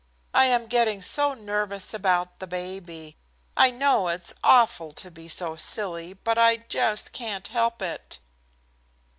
I am getting so nervous about baby. I know it's awful to be so silly, but I just can't help it."